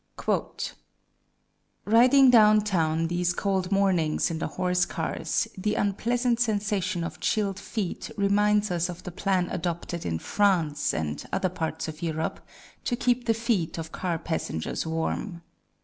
"Riding down town these cold mornings in the horse cars, the unpleasant sensation of chilled feet reminds us of the plan adopted in France and other parts of Europe to keep the feet of car passengers warm.